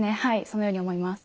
そのように思います。